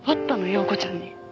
庸子ちゃんに。